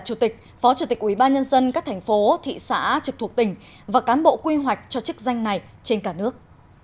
chủ tịch phó chủ tịch ubnd các thành phố thị xã trực thuộc tỉnh và cán bộ quy hoạch cho chức danh này trên cả nước